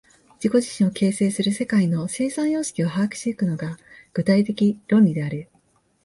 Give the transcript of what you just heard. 自己自身を形成する世界の生産様式を把握し行くのが、具体的論理である。